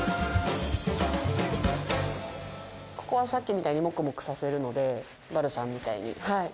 ここはさっきみたいにモクモクさせるのでバルサンみたいにはい。